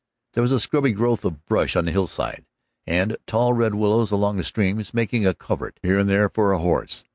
There was a scrubby growth of brush on the hillsides, and tall red willows along the streams, making a covert here and there for a horse.